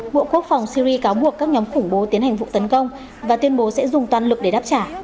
bộ quốc phòng syri cáo buộc các nhóm khủng bố tiến hành vụ tấn công và tuyên bố sẽ dùng toàn lực để đáp trả